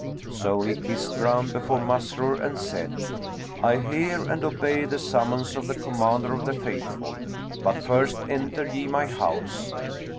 So he kissed ground before Masrur and said, "I hear and obey the summons of the Commander of the Faithful; but first enter ye my house."